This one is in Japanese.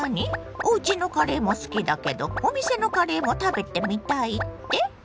おうちのカレーも好きだけどお店のカレーも食べてみたいって？